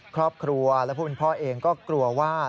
ครอบครัวและผู้เป็นพ่อเองก็กลัวว่า